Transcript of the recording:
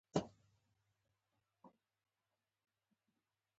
له رسمي غونډې وروسته ډوډۍ تياره شوه.